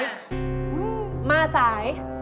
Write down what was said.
อื้อมาสาย